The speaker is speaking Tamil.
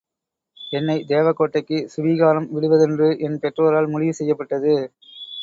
என்னை தேவகோட்டைக்கு சுவீகாரம் விடுவதென்று என் பெற்றோரால் முடிவு செய்யப்பட்டது.